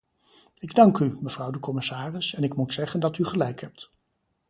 Ik dank u, mevrouw de commissaris, en ik moet zeggen dat u gelijk hebt.